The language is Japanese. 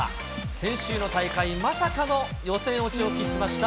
先週の大会、まさかの予選落ちを喫しました